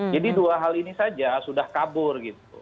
jadi dua hal ini saja sudah kabur gitu